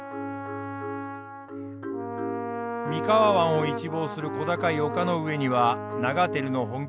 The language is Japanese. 三河湾を一望する小高い丘の上には長照の本拠